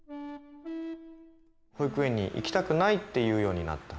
「保育園に行きたくない」って言うようになった。